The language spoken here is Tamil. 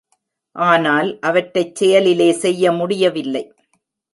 ஆனால் அவற்றைச் செயலிலே செய்ய முடியவில்லை.